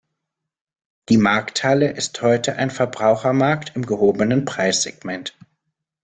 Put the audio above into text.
Die Markthalle ist heute ein Verbrauchermarkt im gehobenen Preissegment.